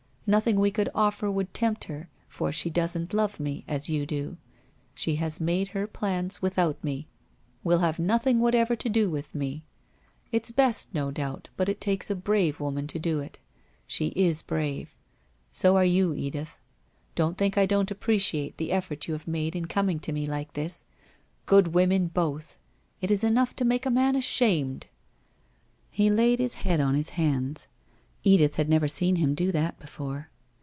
Nothing we could offer would tempt her, for she doesn't love me as you do. She has made her plans with out me, will have nothing whatever to do with me. It's best, no doubt but it takes a brave woman to do it. She is brave — so are you, Edith. Don't think I don't appreciate the effort you have made in coming to me like this. Good women, both ! It is enough to make a man ashamed !' He laid his head on his hands. Edith had never seen him do that before.